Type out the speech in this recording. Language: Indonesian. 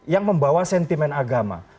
yang membawa sentimen agama